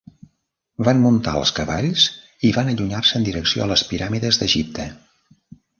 Van muntar els cavalls i van allunyar-se en direcció a les piràmides d'Egipte.